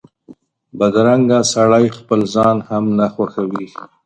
بدرنګه سړی خپل ځان هم نه خوښوي